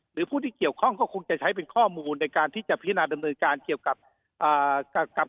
หรือผู้ที่เกี่ยวข้องก็คงจะใช้เป็นข้อมูลในการที่จะพิจารณาดำเนินการเกี่ยวกับกับ